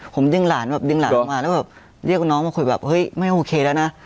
ผมดึงหลานแบบดึงหลานออกมาแล้วแบบเรียกน้องมาคุยแบบเฮ้ยไม่โอเคแล้วนะ